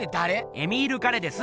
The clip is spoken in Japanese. エミール・ガレです。